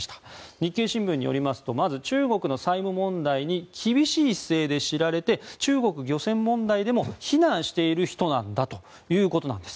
日経新聞によりますとまず中国の債務問題に厳しい姿勢で知られ中国漁船問題でも非難している人なんだということです。